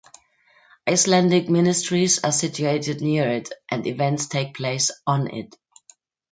Icelandic ministries are situated near it and events take place on it.